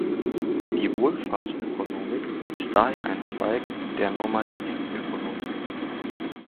Die Wohlfahrtsökonomik ist daher ein Zweig der normativen Ökonomik.